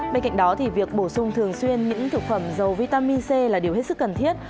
bên cạnh đó thì việc bổ sung thường xuyên những thực phẩm dầu vitamin c là điều hết sức cần thiết